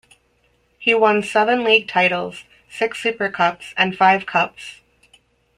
He won seven league titles, six supercups and five cups.